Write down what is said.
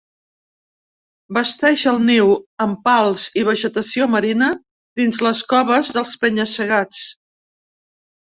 Basteix el niu amb pals i vegetació marina dins les coves dels penya-segats.